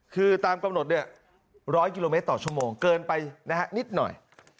คือตามกำหนดเนี่ย๑๐๐กิโลเมตรต่อชั่วโมงเกินไปนะฮะนิดหน่อย